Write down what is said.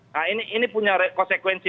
nah ini punya konsekuensi